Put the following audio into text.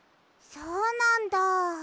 そうなんだ。